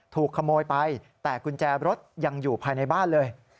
ถูกขโมยไปแต่กุญแจรถยังอยู่ภายในบ้านเลย